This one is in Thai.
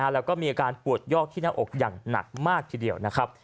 แล้วก็มีอาการปวดยอกที่หน้าอกอย่างหนักมากทีเดียวนะครับ